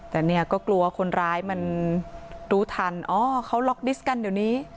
แต่เนี่ยก็กลัวคนร้ายมันรู้ทันอ๋อเขาล็อกดิสต์กันเดี๋ยวนี้